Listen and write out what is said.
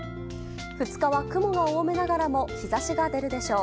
２日は、雲が多めながらも日差しが出るでしょう。